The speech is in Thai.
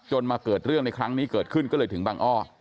มาเกิดเรื่องในครั้งนี้เกิดขึ้นก็เลยถึงบังอ้อ